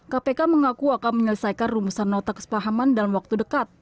kpk mengaku akan menyelesaikan rumusan nota kesepahaman dalam waktu dekat